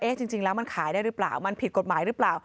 จริงแล้วมันขายได้หรือเปล่ามันผิดกฎหมายหรือเปล่า